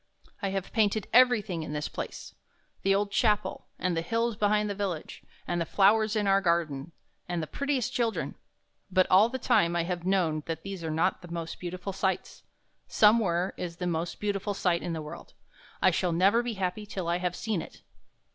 I have painted everything in this place, — the old chapel, and the hills behind the village, and the flowers in our garden, and the prettiest children. But all the time I have known that these are not the most beautiful sights. Somewhere is the most beauti ful sight in the world. I shall never be happy till I have seen it."